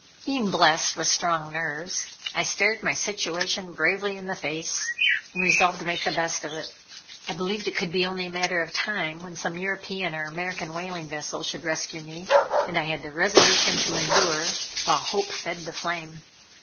Being blessed with strong nerves, I stared my situation bravely in the face, and resolved to make the best of it. I believed it could be only a matter of time when some European or American whaling vessel should rescue me: and I had the resolution to endure, while hope fed the flame.